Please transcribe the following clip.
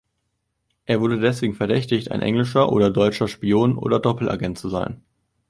Er wurde deswegen verdächtigt, ein englischer oder deutscher Spion oder Doppelagent zu sein.